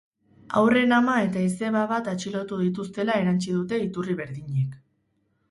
Haurren ama eta izeba bat atxilotu dituztela erantsi dute iturri berdinek.